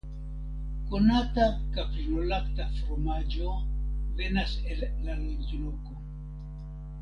Konata kaprinolakta fromaĝo venas el la loĝloko.